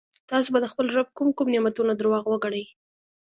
تاسو به د خپل رب کوم کوم نعمتونه درواغ وګڼئ.